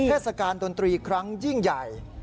เทศกาลดนตรีครั้งยิ่งใหญ่